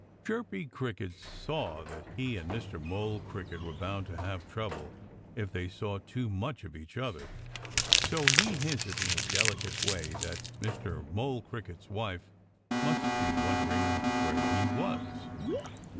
Chirpy Cricket saw that he and Mr. Mole Cricket were bound to have trouble if they saw too much of each other. So he hinted in a delicate way that Mr. Mole Cricket's wife must be wondering where he was.